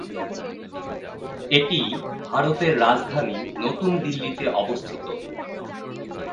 এটি ভারতের রাজধানী নতুন দিল্লিতে অবস্থিত।